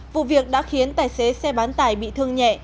vụ việc đã khiến tài xế xe bán tải bị thương nhẹ